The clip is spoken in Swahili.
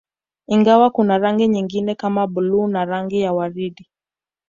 Ingawa kuna rangi nyingine kama bluu na rangi ya waridi